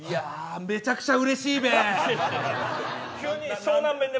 めちゃくちゃうれしいで。